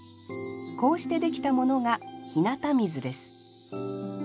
こうしてできたものが日向水です